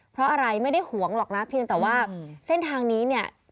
เพราะอะไรไม่ได้หวงหรอกนะพี่น้องแต่ว่าเส้นทางนี้